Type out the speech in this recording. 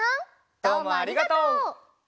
どうもありがとう！